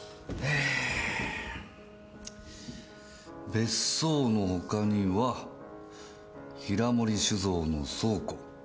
別荘のほかには平森酒造の倉庫。